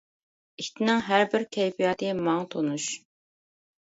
ئىتنىڭ ھەر بىر كەيپىياتى ماڭا تونۇش.